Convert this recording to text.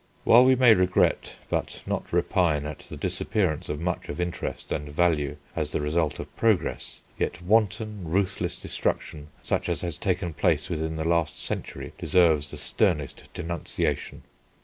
While we may regret but not repine at the disappearance of much of interest and value as the result of progress, yet wanton, ruthless destruction, such as has taken place within the last century, deserves the sternest denunciation.